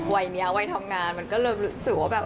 วัยนี้วัยทำงานมันก็เริ่มรู้สึกว่าแบบ